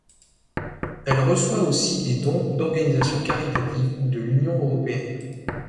Elle reçoit aussi des dons d'organisations caritatives ou de l'Union européenne.